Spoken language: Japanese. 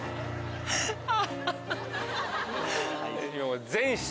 アハハハハ！